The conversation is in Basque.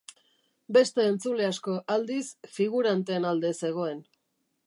Beste entzule asko, aldiz, figuranteen alde zegoen.